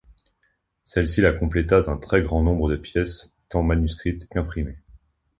Celle-ci la compléta d'un très grand nombre de pièces tant manuscrites qu'imprimées.